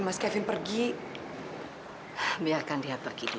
mas kevin aku ingin tahu